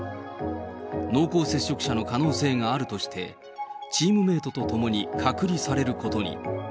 濃厚接触者の可能性があるとして、チームメートと共に隔離されることに。